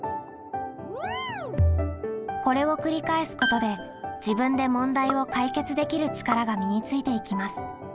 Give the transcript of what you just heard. これを繰り返すことで「自分で問題を解決できる力」が身についていきます。